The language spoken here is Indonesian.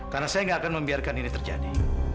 karena saya nggak akan membiarkan ini terjadi